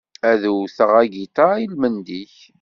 Ad uteɣ agitar i-lmend-ik.